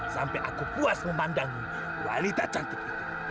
sampai aku puas memandangmu walidah cantik itu